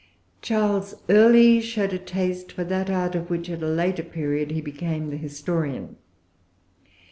Charles early showed a taste for that art, of which, at a later period, he became the historian.